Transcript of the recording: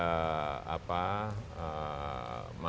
dan cukup menarik bagi para investor